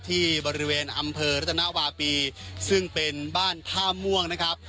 ที่บริเวณอำเภอรัตนวาปีซึ่งเป็นบ้านท่าม่วงนะครับ